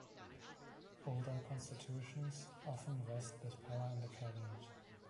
Older constitutions often vest this power in the cabinet.